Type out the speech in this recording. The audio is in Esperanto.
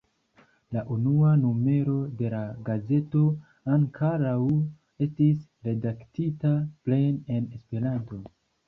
La unua numero de la gazeto ankoraŭ estis redaktita plene en Esperanto.